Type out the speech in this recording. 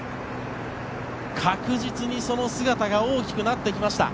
確実にその姿が大きくなってきました。